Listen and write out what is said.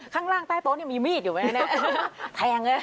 ข้างล่างใต้โต๊ะนี่มีมีดอยู่ไหมเนี่ยแทงเลย